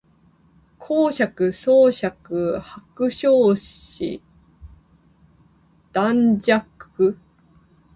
公爵侯爵伯爵子爵男爵